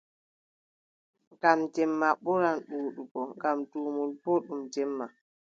Ngam jemma ɓuran ɗuuɗugo ngam duumol boo ɗum jemma.